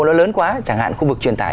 nó lớn quá chẳng hạn khu vực truyền tải